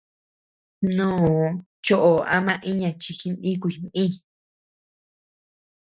Mnoo choʼo ama iña chi jinikuy mï.